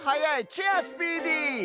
チェアスピーディー！